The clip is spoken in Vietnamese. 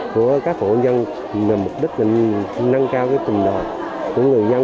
của các hộ nhân mục đích nâng cao cái tình đoạn của người nhân